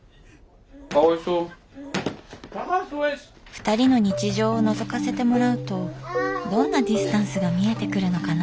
ふたりの日常をのぞかせてもらうとどんなディスタンスが見えてくるのかな？